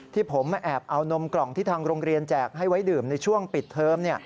ที่ผมแอบเอานมกล่องที่ทางโรงเรียนแจกให้ไว้ดื่มในช่วงปิดเทอม